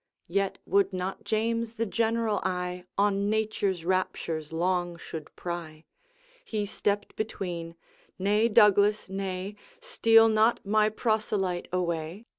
Yet would not James the general eye On nature's raptures long should pry; He stepped between ' Nay, Douglas, nay, Steal not my proselyte away!